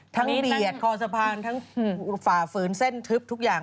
เบียดคอสะพานทั้งฝ่าฝืนเส้นทึบทุกอย่าง